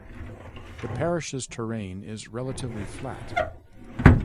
The parish's terrain is relatively flat.